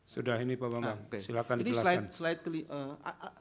sudah ini pak bambang silahkan dijelaskan